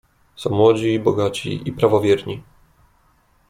"Są młodzi, bogaci i prawowierni."